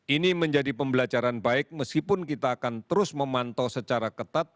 ini menjadi pembelajaran baik meskipun kita akan terus memantau secara ketat